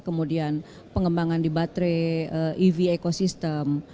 kemudian pengembangan di baterai ev ekosistem